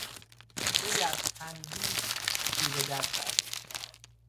او در تنیس چیره دست است.